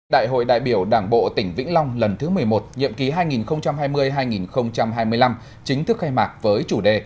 đại hội đại biểu đảng bộ tỉnh vĩnh long lần thứ một mươi một nhiệm ký hai nghìn hai mươi hai nghìn hai mươi năm chính thức khai mạc với chủ đề